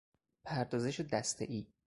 پردازش دستهای